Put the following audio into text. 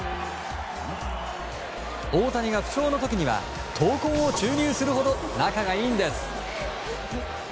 大谷が不調の時には闘魂を注入するほど仲がいいんです。